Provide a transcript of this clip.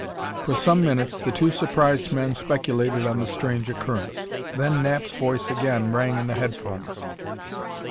For some minutes the two surprised men speculated on the strange occurrence. Then Knapp's voice again rang in the headphones.